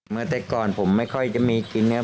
เมื่อแต่ก่อนผมไม่ค่อยจะมีกินแล้ว